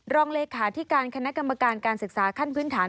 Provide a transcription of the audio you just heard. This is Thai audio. รองเลขาธิการคณะกรรมการการศึกษาขั้นพื้นฐาน